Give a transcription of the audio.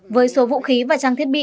với số vũ khí và trang thiết bị